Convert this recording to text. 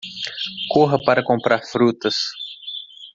Corra para comprar frutas